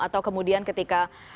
atau kemudian ketika